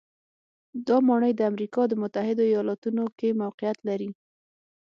دا ماڼۍ د امریکا د متحدو ایالتونو کې موقعیت لري.